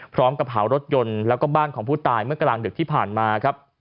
พร้อมกับขาวรถยนต์แล้วก็บ้านของผู้ตายเมื่อกลางดึกที่ผ่านมา